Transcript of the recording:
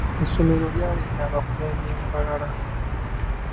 Essomero lyaleeta abakuumi abalala.